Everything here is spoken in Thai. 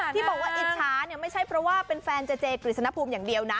ที่บอกว่าอิจฉาเนี่ยไม่ใช่เพราะว่าเป็นแฟนเจเจกฤษณภูมิอย่างเดียวนะ